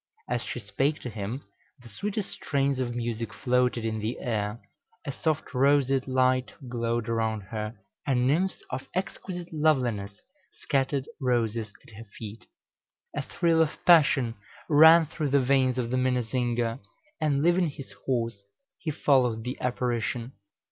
As she spake to him, the sweetest strains of music floated in the air, a soft roseate light glowed around her, and nymphs of exquisite loveliness scattered roses at her feet. A thrill of passion ran through the veins of the minnesinger; and, leaving his horse, he followed the apparition.